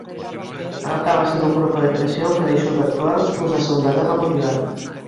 Tratábase dun grupo de presión que deixou de actuar despois da Segunda Guerra Mundial.